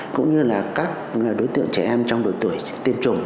cũng như là các đối tượng trẻ em trong độ tuổi tiêm chủng